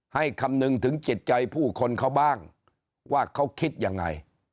คำนึงถึงจิตใจผู้คนเขาบ้างว่าเขาคิดยังไง